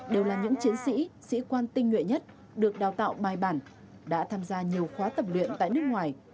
đều là những chiến sĩ sĩ quan tinh nhuệ nhất được đào tạo bài bản đã tham gia nhiều khóa tập luyện tại nước ngoài